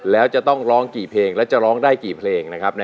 แล้วจะต้องร้องกี่เพลงแล้วจะร้องได้กี่เพลงนะครับ